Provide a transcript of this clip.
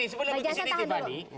itu makanya di sini di bali